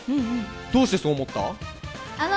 どうしてそう思った？